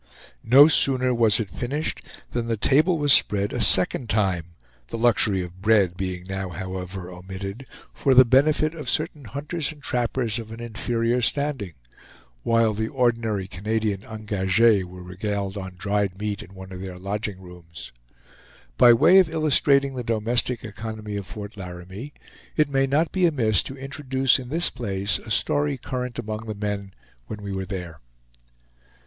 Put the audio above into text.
No sooner was it finished, than the table was spread a second time (the luxury of bread being now, however, omitted), for the benefit of certain hunters and trappers of an inferior standing; while the ordinary Canadian ENGAGES were regaled on dried meat in one of their lodging rooms. By way of illustrating the domestic economy of Fort Laramie, it may not be amiss to introduce in this place a story current among the men when we were there.